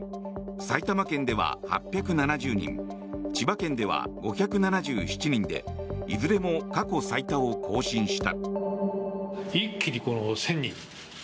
埼玉県では８７０人千葉県では５７７人でいずれも過去最多を更新した。